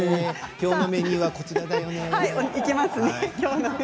きょうのメニューはこちらです。